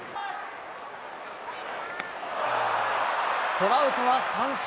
トラウトは三振。